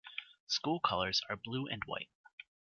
School colors are blue and white.